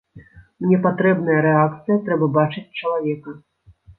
Мне патрэбная рэакцыя, трэба бачыць чалавека.